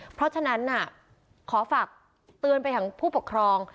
เพราะฉะนั้นขอฝากเตือนไปถึงผู้ปกครอง